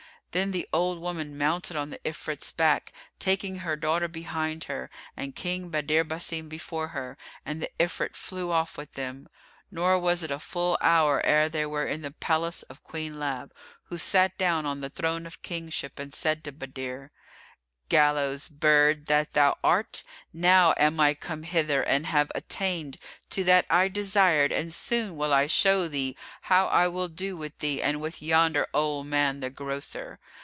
Then the old woman mounted on the Ifrit's back, taking her daughter behind her and King Badr Basim before her, and the Ifrit flew off with them; nor was it a full hour ere they were in the palace of Queen Lab, who sat down on the throne of kingship and said to Badr, "Gallows bird that thou art, now am I come hither and have attained to that I desired and soon will I show thee how I will do with thee and with yonder old man the grocer!